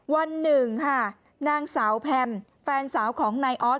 วันหนึ่งค่ะนางสาวแพมแฟนสาวของนายออส